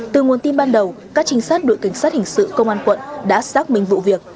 từ nguồn tin ban đầu các trinh sát đội cảnh sát hình sự công an quận đã xác minh vụ việc